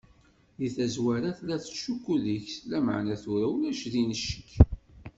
Di tazwara, tella tettcukku deg-s, lameɛna tura ulac din ccek.